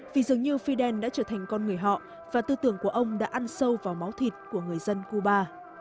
vì dường như fidel đã trở thành con người họ và tư tưởng của ông đã ăn sâu vào máu thịt của người dân cuba